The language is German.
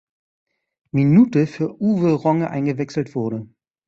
Minute für Uwe Ronge eingewechselt wurde.